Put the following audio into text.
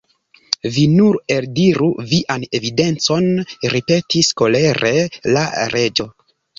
"Vi nur eldiru vian evidencon," ripetis kolere la Reĝo.